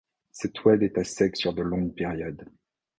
Cet oued est à sec sur de longues périodes.